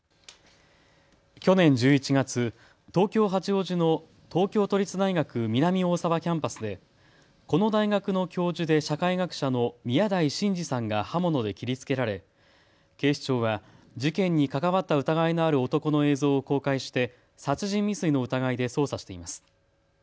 去年１１月、東京八王子の東京都立大学南大沢キャンパスでこの大学の教授で社会学者の宮台真司さんが刃物で切りつけられ警視庁は事件に関わった疑いのある男の映像を公開して殺人未遂の疑いで捜査しています。